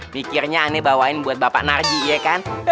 mikirnya aneh bawain buat bapak narji ya kan